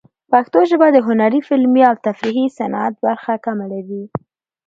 پښتو ژبه د هنري، فلمي، او تفریحي صنعت برخه کمه لري.